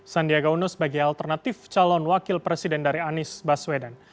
sandiaga uno sebagai alternatif calon wakil presiden dari anies baswedan